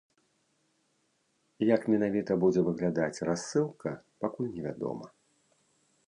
Як менавіта будзе выглядаць рассылка, пакуль невядома.